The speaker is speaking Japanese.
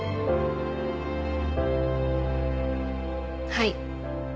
はい。